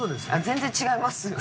全然違います。